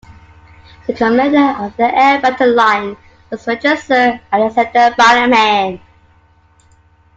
The commander of the Air Battalion was Major Sir Alexander Bannerman.